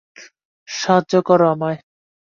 সাহায্য করো আমায়।